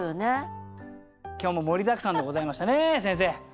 今日も盛りだくさんでございましたね先生。